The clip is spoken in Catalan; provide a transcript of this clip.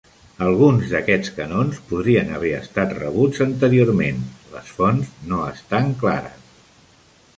Alguns d'aquests canons podrien haver estat rebuts anteriorment, les fonts no estan clares.